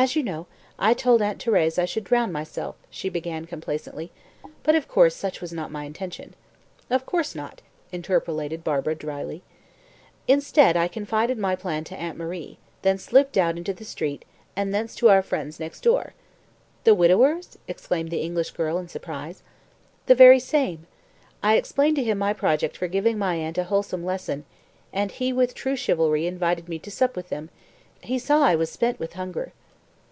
"As you know, I told Aunt Thérèse I should drown myself," she began complacently; "but, of course, such was not my intention." "Of course not," interpolated Barbara drily. "Instead, I confided my plan to Aunt Marie, then slipped out into the street, and thence to our friends next door." "The widower's?" exclaimed the English girl in surprise. "The very same. I explained to him my project for giving my aunt a wholesome lesson; and he, with true chivalry, invited me to sup with them he saw I was spent with hunger."